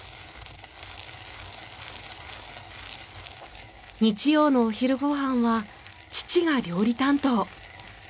日曜のお昼ご飯は父が料理担当。